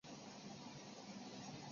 老城站位于布拉格老城广场。